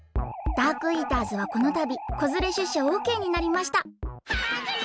ダークイーターズはこのたびこづれしゅっしゃオッケーになりましたハングリー！